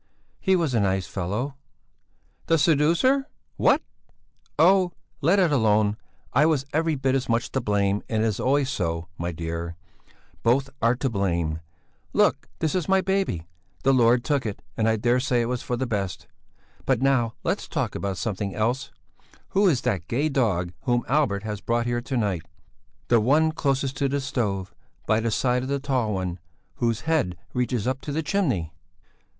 "He was a nice fellow." "The seducer? What?" "Oh! let it alone! I was every bit as much to blame, and it is always so, my dear; both are to blame! Look, this is my baby. The Lord took it, and I dare say it was for the best. But now let's talk about something else. Who is that gay dog whom Albert has brought here to night? The one closest to the stove, by the side of the tall one, whose head reaches up to the chimney?"